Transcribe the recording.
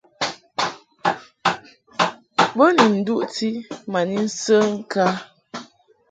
Bo ni nduʼti ma ni nsə ŋkǎ.